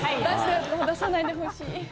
出さないでほしい。